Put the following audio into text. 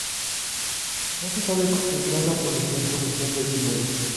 No se sabe cómo Andrea entró en la posesión del símbolo.